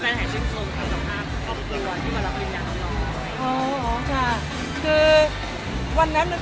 เห็นว่าตอนนั้นที่แมนแปรค